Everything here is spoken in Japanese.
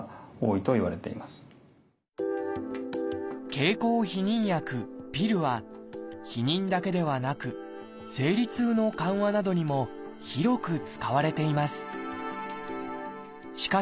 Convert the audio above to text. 経口避妊薬は避妊だけではなく生理痛の緩和などにも広く使われています。